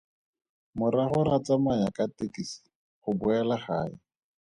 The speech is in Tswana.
Morago ra tsamaya ka tekesi go boela gae.